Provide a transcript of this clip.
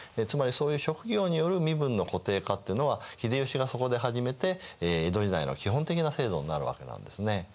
つまりそういう職業による身分の固定化っていうのは秀吉がそこで始めて江戸時代の基本的な制度になるわけなんですね。